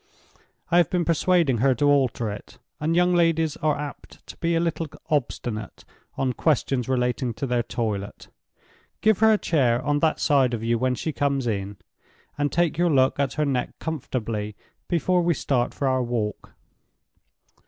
I have been persuading her to alter it, and young ladies are apt to be a little obstinate on questions relating to their toilet. Give her a chair on that side of you when she comes in, and take your look at her neck comfortably before we start for our walk."